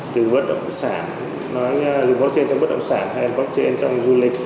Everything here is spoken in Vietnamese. từ vớt động sản dùng blockchain trong vớt động sản hay blockchain trong du lịch